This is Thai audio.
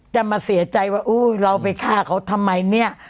จะมาเสียใจว่าอุ้ยเราไปฆ่าเขาทำไมเนี่ย